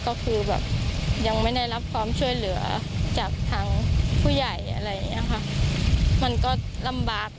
ก็คือแบบยังไม่ได้รับความช่วยเหลือจากทางผู้ใหญ่มันก็ลำบาก